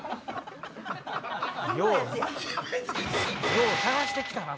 よう探してきたな。